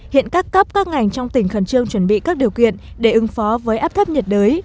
hiện các cấp các ngành trong tỉnh khẩn trương chuẩn bị các điều kiện để ứng phó với áp thấp nhiệt đới